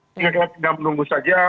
sehingga kita tinggal menunggu saja